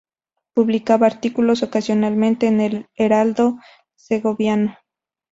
Publicaba artículos ocasionalmente en el Heraldo Segoviano.